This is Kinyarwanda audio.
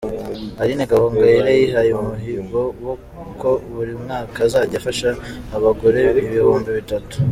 Aline Gahongayire yihaye umuhigo ko buri mwaka azajya afasha abagore ibihumbi bitatu.